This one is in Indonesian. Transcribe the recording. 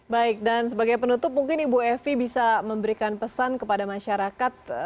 baik dan sebagai penutup mungkin ibu evi bisa memberikan pesan kepada masyarakat